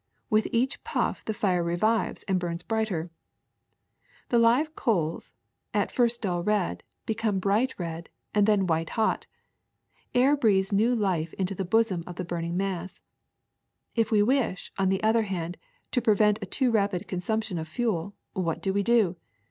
With each puff the fire revives and burns brighter. The live coals, 1^6 THE SECRET OF EVERYDAY THINGS at first dull red, become bright red and then white hot. Air breathes new life into the bosom of the burning mass. If we wish, on the other hand, to pre vent a too rapid consumption of fuel, what do we do!